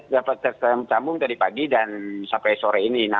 dapat tersambung tadi pagi dan sampai sore ini